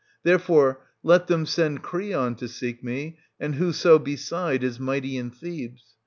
Therefore let them send Creon to seek me, and whoso beside is mighty in Thebes.